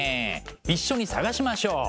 一緒に探しましょう！